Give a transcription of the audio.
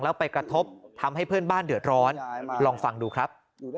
แล้วไปกระทบทำให้เพื่อนบ้านเดือดร้อนลองฟังดูครับ